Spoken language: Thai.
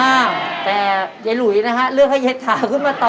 อ้าวแต่เย็บหลุยนะครับเลือกให้เย็บถาขึ้นมาต่อ